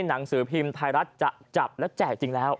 หนังสือพิมพ์ไทยรัฐจะจับและแจกจริงแล้ว